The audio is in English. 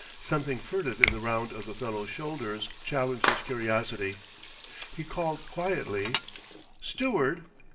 Something furtive in the round of the fellow's shoulders challenged his curiosity. He called quietly: "Steward!"